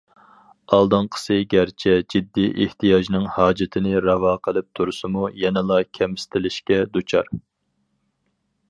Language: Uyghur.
ئالدىنقىسى گەرچە جىددىي ئېھتىياجنىڭ ھاجىتىنى راۋا قىلىپ تۇرسىمۇ، يەنىلا كەمسىتىلىشكە دۇچار.